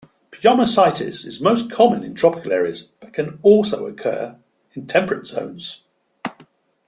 Pyomyositis is most common in tropical areas but can also occur in temperate zones.